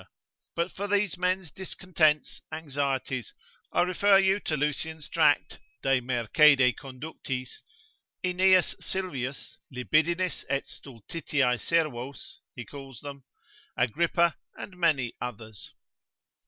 But for these men's discontents, anxieties, I refer you to Lucian's Tract, de mercede conductis, Aeneas Sylvius (libidinis et stultitiae servos, he calls them), Agrippa, and many others.